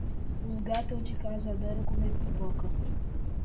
Os gatos de casa adoram comer pipoca.